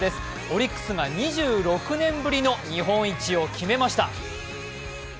オリックスが２６年ぶりの日本一を決めました。